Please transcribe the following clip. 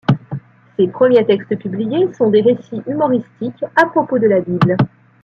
Ses premiers textes publiés sont des récits humoristiques à propos de la Bible.